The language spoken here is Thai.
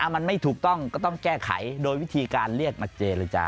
มันไม่ถูกต้องก็ต้องแก้ไขโดยวิธีการเรียกมาเจรจา